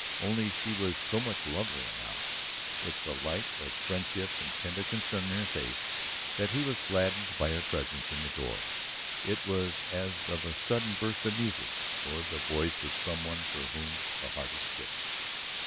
Only she was so much lovelier now, with the light of friendship and tender concern in her face, that he was gladdened by her presence in the door. It was as of a sudden burst of music, or the voice of someone for whom the heart is sick.